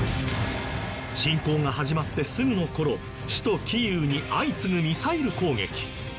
侵攻が始まってすぐの頃首都キーウに相次ぐミサイル攻撃。